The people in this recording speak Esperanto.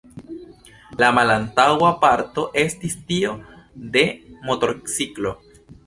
La malantaŭa parto estis tio de motorciklo.